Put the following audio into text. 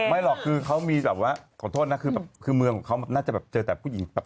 ไม่หรอกคือเขามีแบบว่าขอโทษนะคือเมืองเขาน่าจะเจอแต่ผู้หญิง